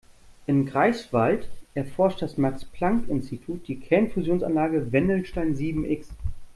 In Greifswald erforscht das Max-Planck-Institut die Kernfusionsanlage Wendelstein sieben-X.